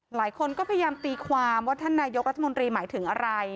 หลายคนก็พยายามตีความว่าท่านนายกรัฐมนตรีหมายถึงอะไร